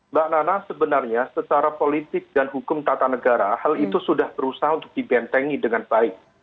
mbak nana sebenarnya secara politik dan hukum tata negara hal itu sudah berusaha untuk dibentengi dengan baik